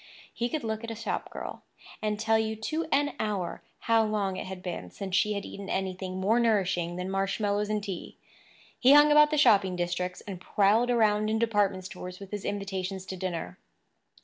He could look at a shop girl and tell you to an hour how long it had been since she had eaten anything more nourishing than marshmallows and tea. He hung about the shopping districts, and prowled around in department stores with his invitations to dinner.